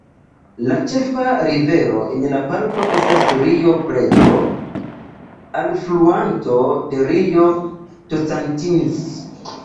La ĉefa rivero en la parko estas Rio Preto, alfluanto de Rio Tocantins.